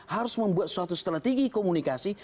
harus membuat suatu strategi komunikasi